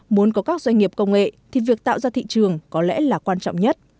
muốn có các doanh nghiệp công nghệ thì việc tạo ra thị trường có lẽ là quan trọng nhất